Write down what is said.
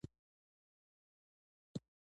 پکورې له بدمرغیو سره هم خوړل کېږي